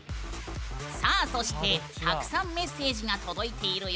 そして、たくさんメッセージが届いているよ。